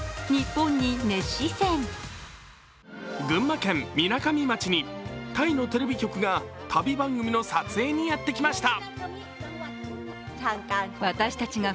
群馬県みなかみ町にタイのテレビ局が旅番組の撮影にやってきました。